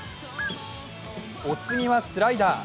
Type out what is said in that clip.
お次はスライダー。